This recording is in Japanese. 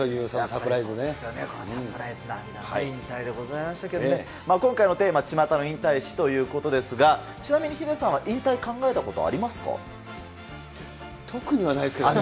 サプライズ、涙の引退でございましたけれども、今回のテーマ、巷の引退史ということですが、ちなみにヒデさんは引退、考えた特にはないですけど。